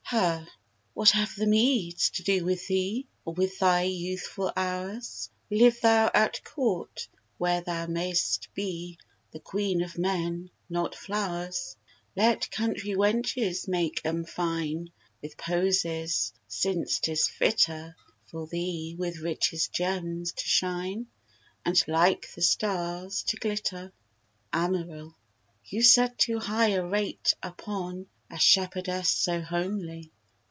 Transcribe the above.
HER. What have the meads to do with thee, Or with thy youthful hours? Live thou at court, where thou mayst be The queen of men, not flowers. Let country wenches make 'em fine With posies, since 'tis fitter For thee with richest gems to shine, And like the stars to glitter. AMARIL. You set too high a rate upon A shepherdess so homely.